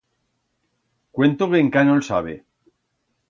Cuento que encá no'l sabe.